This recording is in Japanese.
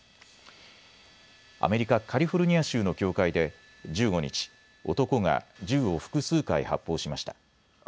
アメリカ・カリフォルニア州の教会で１５日、男が銃を複数回、発砲しました。